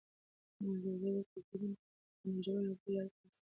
ټیکنالوژي د کلتورونو ترمنځ د نږدېوالي او پوهې لاره پرانیستې ده.